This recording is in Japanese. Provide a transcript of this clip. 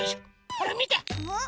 ほらみて！